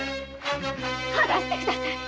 離してください！